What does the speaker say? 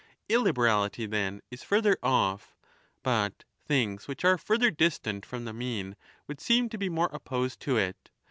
Illiberality, then, is further off. But things which are further distant from the mean would seem to be more opposed to it.